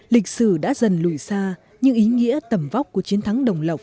lịch sử đã dần lùi xa nhưng ý nghĩa tầm vóc của chiến thắng đồng lộc